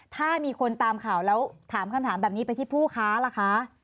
ถ้ามีคนตามข่าวแล้วถามคำถามแบบนี้ไปที่ผู้ค้าล่ะคะ